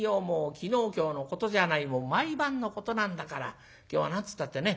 昨日今日のことじゃない毎晩のことなんだから今日は何つったってね